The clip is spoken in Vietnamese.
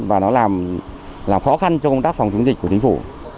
và nó làm khó khăn cho công tác phòng chống dịch của chính phủ